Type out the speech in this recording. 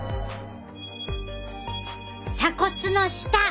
鎖骨の下！